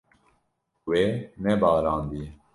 Wê nebarandiye.